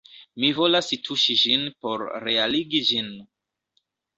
Mi volas tuŝi ĝin por realigi ĝin